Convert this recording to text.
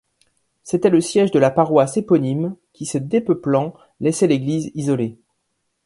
C'était le siège de la paroisse éponyme qui se dépeuplant laissait l'église isolée.